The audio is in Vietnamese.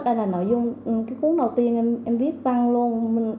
đây là nội dung cái cuốn đầu tiên em viết văn luôn